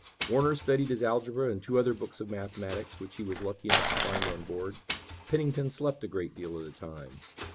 Warner studied his algebra and two other books of mathematics which he was lucky enough to find on board. Pennington slept a great deal of the time.